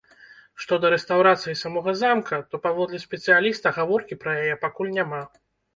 Што да рэстаўрацыі самога замка, то, паводле спецыяліста, гаворкі пра яе пакуль няма.